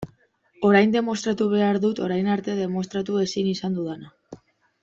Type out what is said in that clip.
Orain demostratu behar dut orain arte demostratu ezin izan dudana.